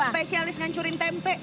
aku spesialis ngancurin tempe